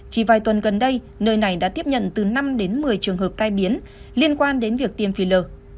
chỉ vài tuần gần đây nơi này đã tiếp nhận từ năm đến một mươi trường hợp tai biến liên quan đến việc tiêm phi lờ